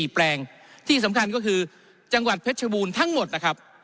แปลงที่สำคัญก็คือจังหวัดเพชรบูรณ์ทั้งหมดนะครับ